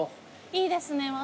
いいですね綿。